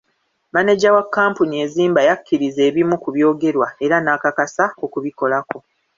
Maneja wa kkampuni ezimba yakkiriza ebimu ku byogerwa era n'akakasa okubikolako.